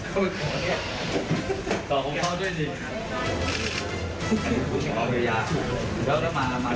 คุณจะช่วยหรือเปล่า